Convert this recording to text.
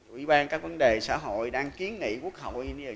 ủy ban các vấn đề xã hội đang kiến nghị quốc hội như thế này